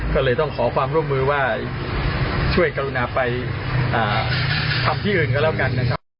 ก็เลยต้องขอความร่วมมือว่าช่วยกรุณาไปทำที่อื่นก็แล้วกันนะครับ